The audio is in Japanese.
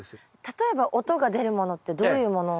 例えば音が出るものってどういうもの？